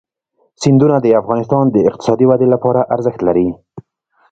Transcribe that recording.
سیندونه د افغانستان د اقتصادي ودې لپاره ارزښت لري.